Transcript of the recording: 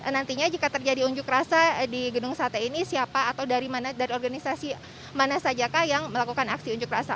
nantinya jika terjadi unjuk rasa di gedung sate ini siapa atau dari mana dari organisasi mana saja yang melakukan aksi unjuk rasa